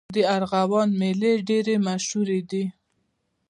د ارغوان میلې ډېرې مشهورې دي.